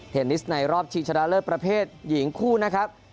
นิสในรอบชิงชนะเลิศประเภทหญิงคู่นะครับ